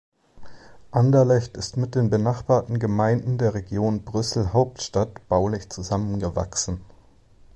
Anderlecht ist mit den benachbarten Gemeinden der Region Brüssel-Hauptstadt baulich zusammengewachsen.